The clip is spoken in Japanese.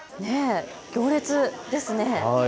行列ですね。